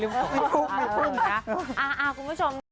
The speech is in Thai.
ลืมพูดพูดค่ะคุณผู้ชม